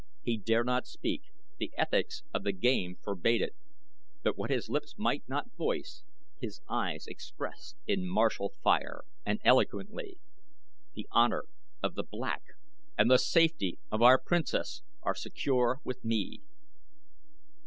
He dared not speak, the ethics of the game forbade it, but what his lips might not voice his eyes expressed in martial fire, and eloquently: "The honor of the Black and the safety of our Princess are secure with me!"